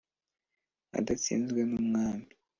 Adatsinzwe n'umwami